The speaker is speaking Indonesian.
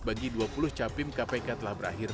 bagi dua puluh capim kpk telah berakhir